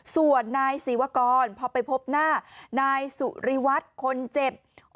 ส่วนนายศิวกรพอไปพบหน้านายสุริวัตรคนเจ็บ